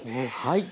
はい。